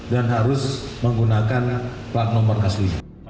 dan harus menggunakan plat nomor asli